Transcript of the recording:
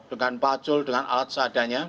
dengan pacul dengan alat seadanya